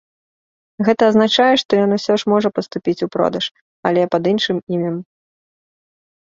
Гэта азначае, што ён усё ж можа паступіць у продаж, але пад іншым імем.